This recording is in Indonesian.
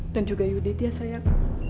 dan juga yudhitya sayang